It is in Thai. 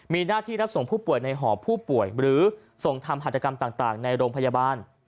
มีหน้าที่รับส่งผู้ป่วยในหอผู้ป่วยหรือส่งทำหัตกรรมต่างในโรงพยาบาล